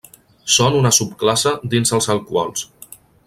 Són una subclasse dins els alcohols.